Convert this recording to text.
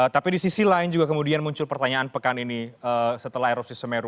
tapi di sisi lain juga kemudian muncul pertanyaan pekan ini setelah erupsi semeru